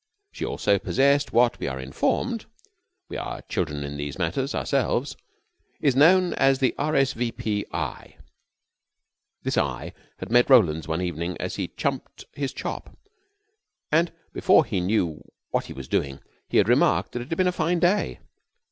She also possessed what, we are informed we are children in these matters ourselves is known as the R. S. V. P. eye. This eye had met Roland's one evening, as he chumped his chop, and before he knew what he was doing he had remarked that it had been a fine day.